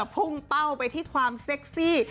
พุ่งเป้าไปที่ความเซ็กซี่